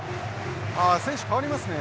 あ選手代わりますね。